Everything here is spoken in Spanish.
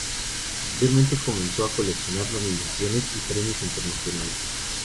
Posteriormente comenzó a coleccionar nominaciones y premios internacionalmente.